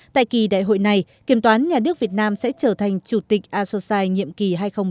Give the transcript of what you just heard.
tại kỳ đại hội này kiểm toán nhà nước việt nam sẽ trở thành chủ tịch asosi nhiệm kỳ hai nghìn một mươi tám hai nghìn hai mươi một